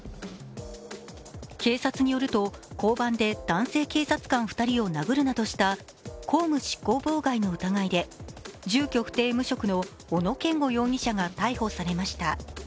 警察によると交番で男性警察官２人を殴るなどした公務執行妨害の疑いで住所不定・無職の小野健吾容疑者が逮捕されました。